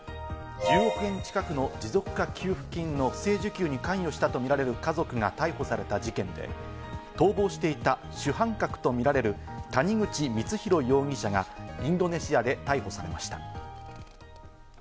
１０億円近くの持続化給付金の不正受給に関与したとみられる家族が逮捕された事件で、逃亡していた主犯格とみられる谷口光弘容疑者がインドネシアで逮捕されました。